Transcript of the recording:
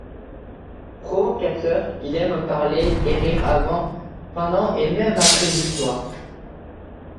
Provocateur, il aime parler et rire avant, pendant et même après une victoire.